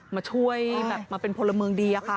มาช่วยมาเป็นพลเมืองดี